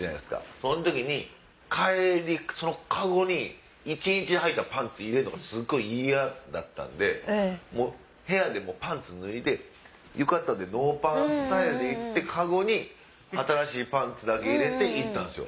そん時に帰りその籠に一日はいたパンツ入れるのがすごい嫌だったんで部屋でもうパンツ脱いで浴衣でノーパンスタイルで籠に新しいパンツだけ入れて行ったんすよ。